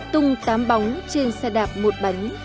tung tám bóng trên xe đạp một bánh